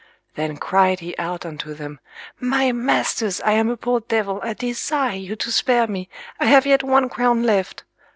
Then cried he out unto them, My masters, I am a poor devil, I desire you to spare me. I have yet one crown left.